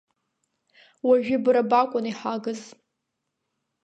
Уажәы бара бакәын иҳагыз.